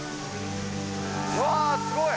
うわー、すごい。